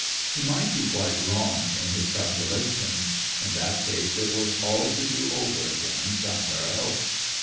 He might be quite wrong in his calculations. In that case, it was all to do over again somewhere else.